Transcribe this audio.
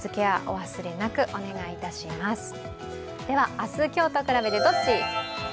明日、今日と比べてどっち。